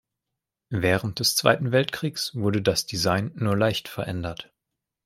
Während des Zweiten Weltkriegs wurde das Design nur leicht verändert.